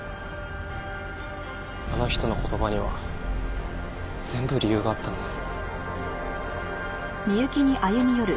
あの人の言葉には全部理由があったんです。